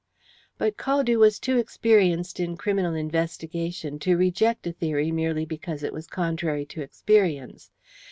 But Caldew was too experienced in criminal investigation to reject a theory merely because it was contrary to experience.